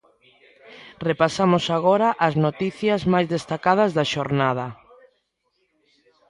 Repasamos agora as noticias máis destacadas da xornada.